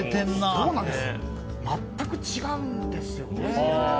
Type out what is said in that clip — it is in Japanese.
全く違うんですよね。